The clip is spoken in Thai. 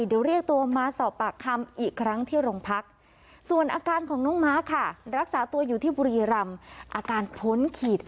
เดี๋ยวเรียกตัวมาสอบมากขำอีกครั้งที่โรงพักษณ์